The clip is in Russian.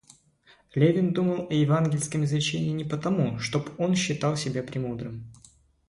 Левин думал о евангельском изречении не потому, чтоб он считал себя премудрым.